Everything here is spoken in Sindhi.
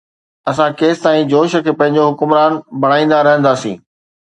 اسان ڪيستائين جوش کي پنهنجو حڪمران بڻائيندا رهنداسين؟